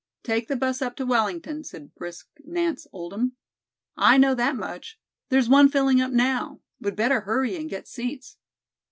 "Take the 'bus up to Wellington," said brisk Nance Oldham. "I know that much. There's one filling up now. We'd better hurry and get seats."